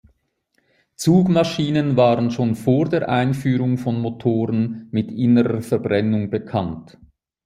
Zugmaschinen waren schon vor der Einführung von Motoren mit innerer Verbrennung bekannt.